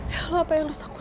ya allah apa yang lu sangkulah